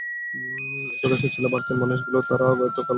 একই দশা ছিল ভারতের মানুষগুলোরও, তাঁরা এতকাল ধরে থাকছেন বাংলাদেশের ভেতর।